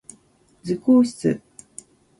図工室